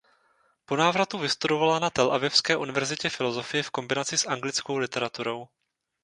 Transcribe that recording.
Po návratu vystudovala na telavivské univerzitě filosofii v kombinaci s anglickou literaturou.